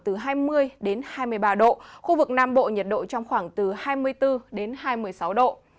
từ hai mươi đến hai mươi ba độ khu vực nam bộ nhiệt độ trong khoảng từ hai mươi bốn đến hai mươi sáu độ